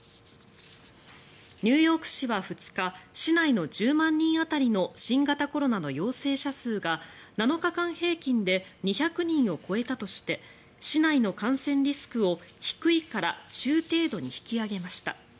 ニューヨーク市は２日市内の１０万人当たりの新型コロナの陽性者数が７日間平均で２００人を超えたとして市内の感染リスクを低いから中程度に引き上げました。